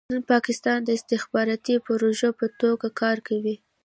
نن پاکستان د استخباراتي پروژې په توګه کار کوي.